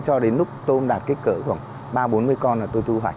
cho đến lúc tôm đạt kích cỡ khoảng ba bốn mươi con là tôi thu hoạch